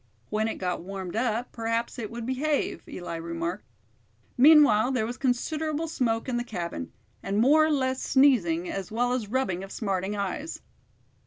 When it got warmed up, perhaps it would "behave", Eli remarked. Meanwhile there was considerable smoke in the cabin, and more or less sneezing, as well as rubbing of smarting eyes.